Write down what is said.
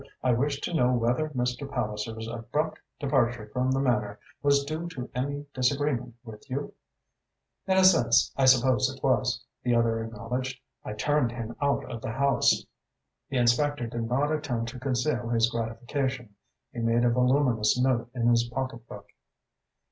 I wish to know whether Mr. Palliser's abrupt departure from the Manor was due to any disagreement with you?" "In a sense I suppose it was," the other acknowledged. "I turned him out of the house." The inspector did not attempt to conceal his gratification. He made a voluminous note in his pocketbook.